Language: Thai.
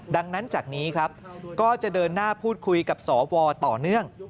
ดังนั้นจากนี้ครับก็จะเดินหน้าพูดคุยกับสวต่อเนื่อง